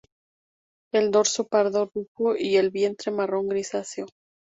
El dorso pardo rufo y el vientre marrón grisáceo.